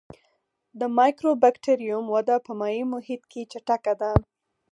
د مایکوبکټریوم وده په مایع محیط کې چټکه ده.